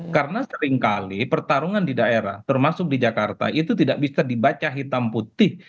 karena seringkali pertarungan di daerah termasuk di jakarta itu tidak bisa dibaca hitam putih